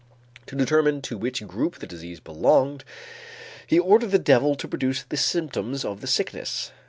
To determine to which group the disease belonged, he ordered the devil to produce the symptoms of the sickness.